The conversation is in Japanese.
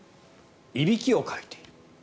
いびきをかいている。